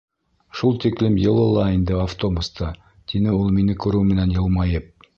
Шул тиклем йылы ла инде автобуста. — тине ул мине күреү менән йылмайып.